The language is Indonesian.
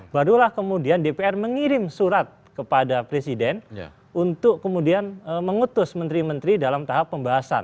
barulah kemudian dpr mengirim surat kepada presiden untuk kemudian mengutus menteri menteri dalam tahap pembahasan